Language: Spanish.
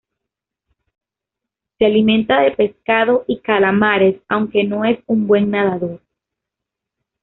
Se alimenta de pescado y calamares, aunque no es un buen nadador.